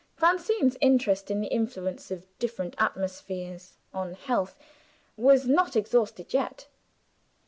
Francine's interest in the influence of different atmospheres on health was not exhausted yet.